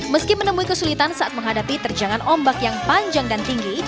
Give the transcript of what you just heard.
meski menemui kesulitan saat menghadapi terjangan ombak yang panjang dan tinggi